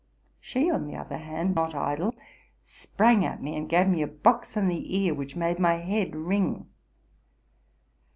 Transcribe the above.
She, on the other hand, not idle, sprang at me, and gave me a box on the ear, which made my head ring.